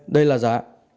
đây là giá